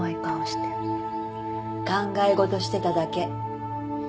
考え事してただけ。